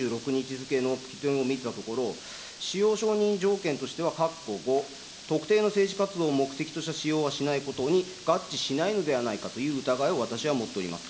付のを見たところ、使用承認条件としてはかっこ５、特定の政治活動を目的とした使用はしないことに合致しないのではないかという疑いを私は持っております。